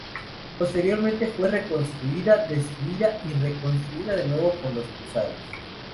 Posteriormente fue reconstruida, destruida y reconstruida de nuevo por los cruzados.